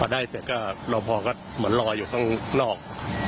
แต่ก็ลอพพอก็เหมือนรออยู่ข้างนอก